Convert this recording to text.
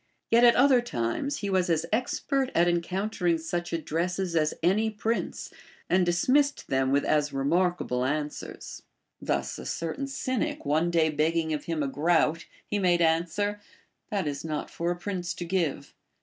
A^et at other times he was as expert at encountering such addresses as any prince, and dismissed them with as remarkable answers. Thus a certain Cynic one day beg ging of him a groat, he made answer, That is not for a prince to give.